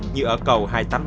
như ở cầu hai trăm tám mươi ba